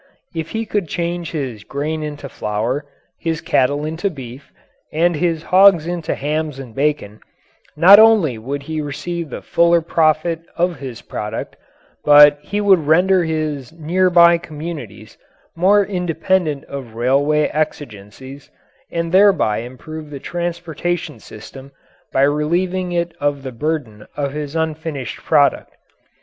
If he could change his grain into flour, his cattle into beef, and his hogs into hams and bacon, not only would he receive the fuller profit of his product, but he would render his near by communities more independent of railway exigencies, and thereby improve the transportation system by relieving it of the burden of his unfinished product.